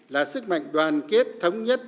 là sức mạnh đoàn kết thống nhất